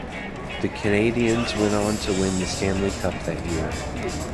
The Canadiens went on to win the Stanley Cup that year.